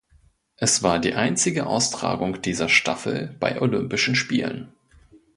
Es war die einzige Austragung dieser Staffel bei Olympischen Spielen.